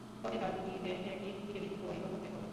তবে তার দুটিতে একই দিকে বিদ্যুৎ প্রবাহিত করতে হবে।